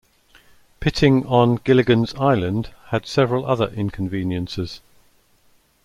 Pitting on "Gilligan's Island" had several other inconveniences.